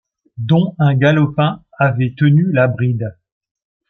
dont un galopin avait tenu la bride.